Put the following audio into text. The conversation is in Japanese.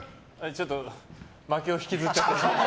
ちょっと負けを引きずっちゃって。